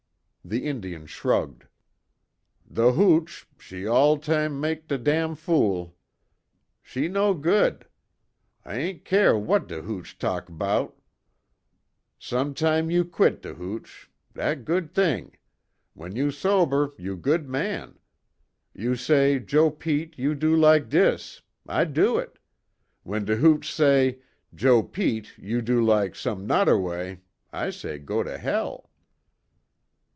The Indian shrugged: "The hooch, she all tam' mak' de damn fool. She no good. I ain' care w'at de hooch talk 'bout. Som' tam' you queet de hooch. Dat good t'ing. W'en you sober, you good man. You say, Joe Pete, you do lak dis. I do it. W'en de hooch say, Joe Pete you do lak som' nodder way. I say go to hell."